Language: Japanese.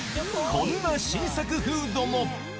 こんな新作フードも。